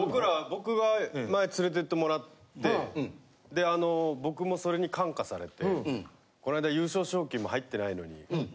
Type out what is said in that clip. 僕は前連れてってもらってで僕もそれに感化されてこないだ優勝賞金も入ってないのに。